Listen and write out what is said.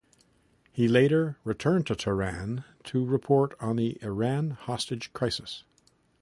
He later returned to Tehran to report on the Iran hostage crisis.